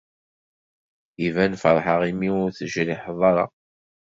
Iban ferḥeɣ imi ur tejriḥeḍ ara.